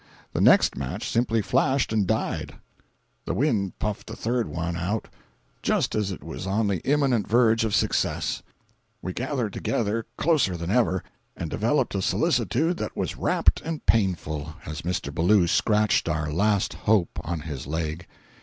The next match simply flashed and died. The wind puffed the third one out just as it was on the imminent verge of success. We gathered together closer than ever, and developed a solicitude that was rapt and painful, as Mr. Ballou scratched our last hope on his leg.